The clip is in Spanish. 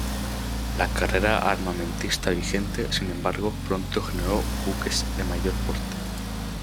La carrera armamentista vigente, sin embargo, pronto generó buques de mayor porte.